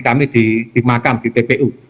kami dimakam di tpu